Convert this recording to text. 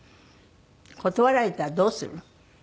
断られたらどうするの？